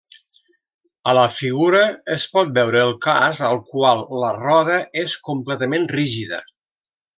A la Figura es pot veure el cas al qual la roda és completament rígida.